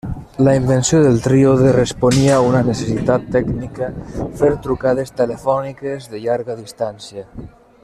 La invenció del tríode responia a una necessitat tècnica: fer trucades telefòniques de llarga distància.